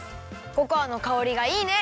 ココアのかおりがいいね！